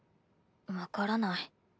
分からない。